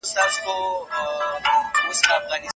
چي بې عزتو را سرتوري کړلې